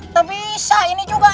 tidak bisa ini juga eh